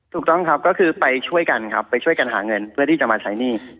ถูกต้องครับก็คือไปช่วยกันครับไปช่วยกันหาเงินเพื่อที่จะมาใช้หนี้